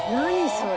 それ。